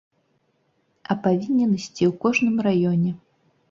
А павінен ісці ў кожным раёне.